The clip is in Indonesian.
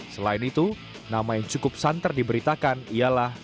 selain itu nama yang cukup santer diberitakan ialah